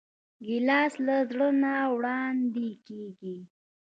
ګیلاس له زړه نه وړاندې کېږي.